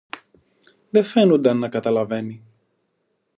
Δε φαίνουνταν να καταλαβαίνει.